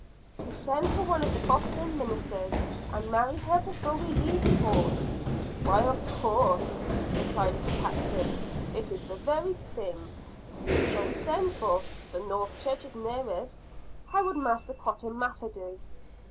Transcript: "To send for one of the Boston ministers, and marry her before we leave port." "Why, of course," replied the Captain. "It is the very thing. Whom shall we send for? The North Church is nearest how would Master Cotton Mather do?"